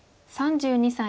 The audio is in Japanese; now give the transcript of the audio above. ３２歳。